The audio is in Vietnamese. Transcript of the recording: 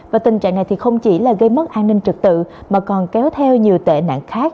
và tình trạng này không chỉ là gây mất an ninh trực tự mà còn kéo theo nhiều tệ nạn khác